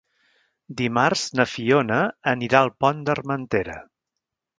Dimarts na Fiona anirà al Pont d'Armentera.